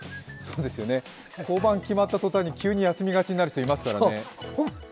降板が決まった途端に急に休みがちになる人いますからね。